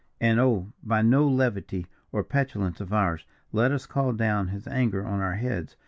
And, oh, by no levity or petulance of ours, let us call down His anger on our heads.